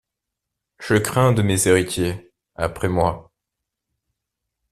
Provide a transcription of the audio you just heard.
Je crains de mes héritiers, après moi.